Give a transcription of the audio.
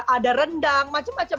ada rendang macam macam